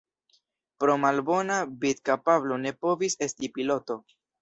Pro malbona vidkapablo ne povis esti piloto.